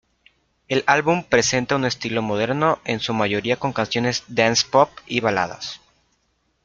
El álbum presenta un estilo moderno en su mayoría con canciones Dance-Pop y baladas.